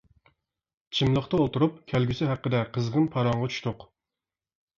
چىملىقتا ئولتۇرۇپ كەلگۈسى ھەققىدە قىزغىن پاراڭغا چۈشتۇق.